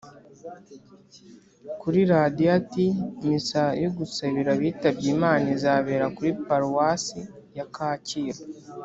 kuri radiyo ati: "Misa yo gusabira abitabye Imana izabera kuri parawasi yakacyiru